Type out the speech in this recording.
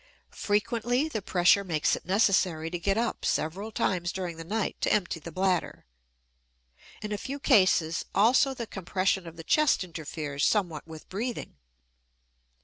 Frequently the pressure makes it necessary to get up several times during the night to empty the bladder. In a few cases also the compression of the chest interferes somewhat with breathing.